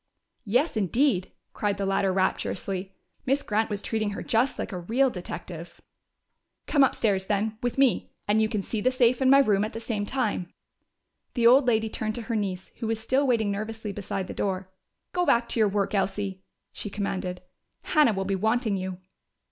"Yes, indeed!" cried the latter rapturously. Miss Grant was treating her just like a real detective! "Come upstairs, then, with me, and you can see the safe and my room at the same time." The old lady turned to her niece, who was still waiting nervously beside the door. "Go back to your work, Elsie," she commanded. "Hannah will be wanting you."